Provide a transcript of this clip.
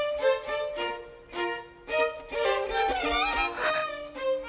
あっ。